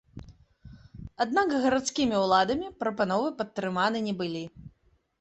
Аднак гарадскімі ўладамі прапановы падтрыманы не былі.